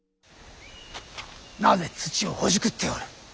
なぜ土をほじくっておる？